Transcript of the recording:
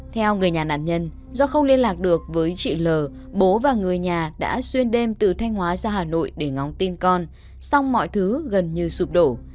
theo người nhà nạn nhân do không liên lạc được với chị l bố và người nhà đã xuyên đêm từ thanh hóa ra hà nội để ngóng tin con song mọi thứ gần như sụp đổ